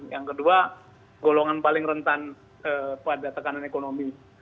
yang kedua golongan paling rentan pada tekanan ekonomi